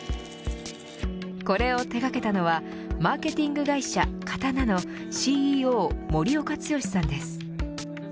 これを手がけたのはマーケティング会社、刀のＣＥＯ森岡毅さんです。